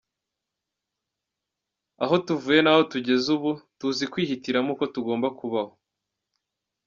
Aho tuvuye n'aho tugeze ubu, tuzi kwihitiramo uko tugomba kubaho.